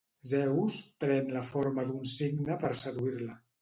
Zeus pren la forma d'un cigne per seduir-la.